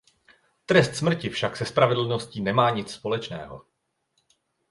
Trest smrti však se spravedlností nemá nic společného.